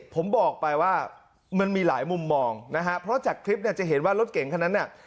ผมบอกไปว่ามันมีหลายมุมมองนะฮะเพราะจากคลิปเนี่ยจะเห็นว่ารถเก่งคนนั้นน่ะ